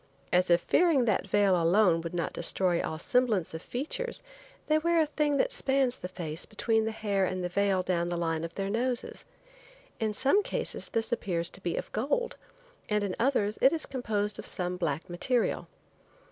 As if fearing that the veil alone would not destroy all semblance of features they wear a thing that spans the face between the hair and the veil down the line of their noses. In some cases this appears to be of gold, and in others it is composed of some black material.